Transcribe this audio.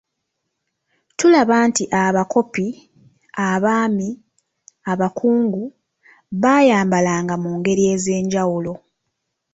Tulaba nti, abakopi, abaami, abakungu, bayambalanga mungeri ezenjawulo.